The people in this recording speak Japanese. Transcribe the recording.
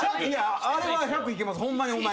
あれは１００いけますホンマに。